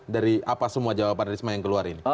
dari apa semua jawaban risma yang keluar ini